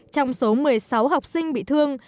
trong số một mươi sáu học sinh bị thương